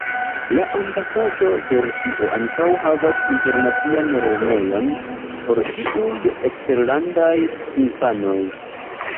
La ambasado de Rusio ankaŭ havas internacian lernejon por ĉiuj eksterlandaj infanoj.